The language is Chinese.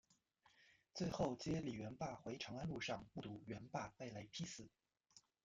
最后接李元霸回长安路上目睹元霸被雷劈死。